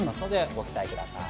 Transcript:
ご期待ください。